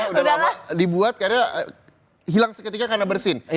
udah lama dibuat karena hilang seketika karena bersin